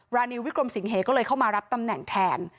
รานิววิกรมสิงเหก็เลยเข้ามารับตำแหน่งแทน